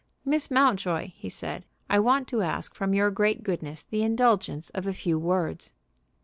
"Miss Mountjoy," he said, "I want to ask from your great goodness the indulgence of a few words."